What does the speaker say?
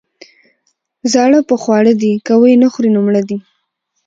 ـ زاړه په خواړه دي، که يې ونخوري نو مړه دي.